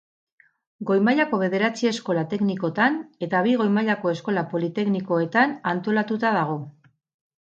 Goi mailako bederatzi eskola teknikotan eta bi goi mailako eskola politeknikoetan antolatuta dago.